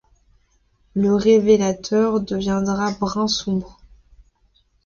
Le révélateur deviendra brun sombre.